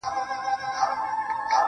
د ستن او تار خبري ډيري شې دي,